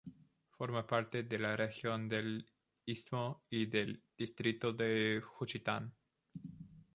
Forma parte de la Región del Istmo y del Distrito de Juchitán.